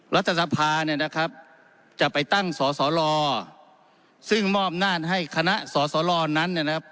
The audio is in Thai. รัฐสภาเนี่ยนะครับจะไปตั้งสสลซึ่งมอบอำนาจให้คณะสสลนั้นเนี่ยนะครับ